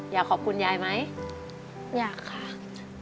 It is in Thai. อยากขอบคุณยายไหมอยากค่ะ